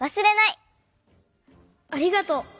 ありがとう！